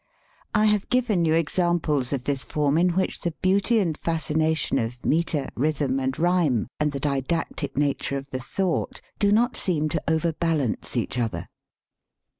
I have given you examples of this form in which the beauty and fascination of metre, rhythm, and rhyme and the didactic nature of the thought do not seem to overbalance each other.